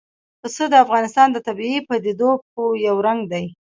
پسه د افغانستان د طبیعي پدیدو یو رنګ دی.